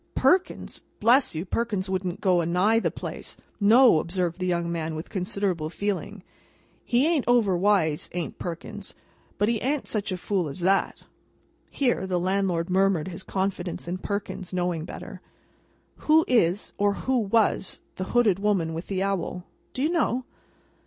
"Perkins? Bless you, Perkins wouldn't go a nigh the place. No!" observed the young man, with considerable feeling; "he an't overwise, an't Perkins, but he an't such a fool as that." (Here, the landlord murmured his confidence in Perkins's knowing better.) "Who is—or who was—the hooded woman with the owl? Do you know?"